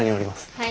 はい。